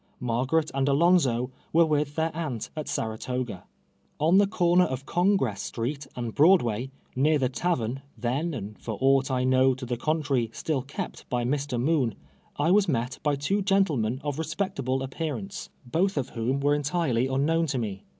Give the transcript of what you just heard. Margaret and Alonzo were with their aunt at Saratoga. On the corner of Congress street and Broadway, near the tavern, then, and for aught I know to the contrary, still kept by Mr. Moon, I was met by two gentlemen of respectable appearance, both of whom were entirely unknown to me.